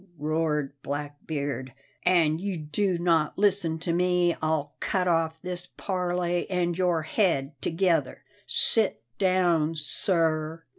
roared Blackbeard; "an you do not listen to me, I'll cut off this parley and your head together. Sit down, sir."